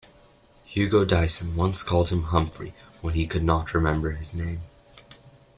Hugo Dyson once called him "Humphrey" when he could not remember his name.